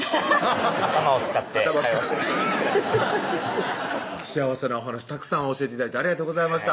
頭を使って会話しなきゃ幸せなお話たくさん教えて頂いてありがとうございました